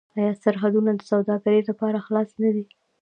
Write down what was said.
آیا سرحدونه د سوداګرۍ لپاره خلاص نه دي؟